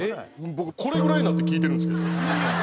僕これぐらいになって聞いてるんですけど。